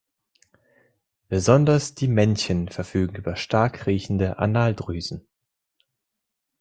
Besonders die Männchen verfügen über stark riechende Analdrüsen.